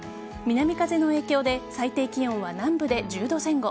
南風の影響で最低気温は南部で１０度前後。